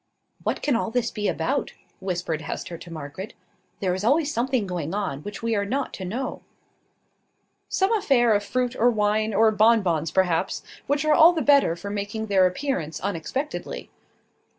"What can all this be about?" whispered Hester to Margaret. "There is always something going on which we are not to know." "Some affair of fruit, or wine, or bonbons, perhaps, which are all the better for making their appearance unexpectedly."